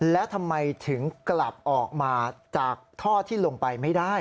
และทำไมถึงกลับออกมาจากท่อที่ลงไปไม่ได้